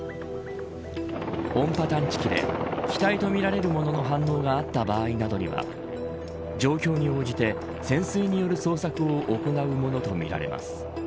音波探知機で機体とみられるものの反応があった場合などには状況に応じて、潜水による捜索を行うものとみられます。